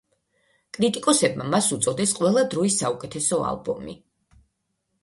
კრიტიკოსებმა მას უწოდეს ყველა დროის საუკეთესო ალბომი.